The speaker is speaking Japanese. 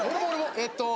えっと。